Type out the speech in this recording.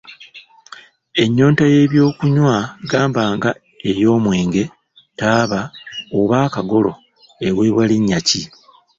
Ennyonta y’ebyokunywa gamba nga ey’omwenge, taaba, oba akagolo, eweebwa linnya ki?